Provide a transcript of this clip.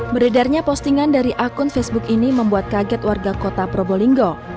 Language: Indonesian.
beredarnya postingan dari akun facebook ini membuat kaget warga kota probolinggo